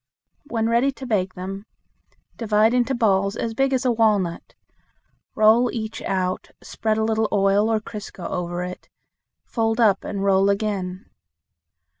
When ready to bake them, divide into balls as big as a walnut. Roll each out, spread a little oil or crisco over it; fold up and roll again.